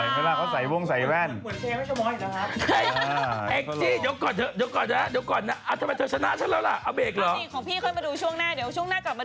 เขาว่างใสขนวงใสแว้น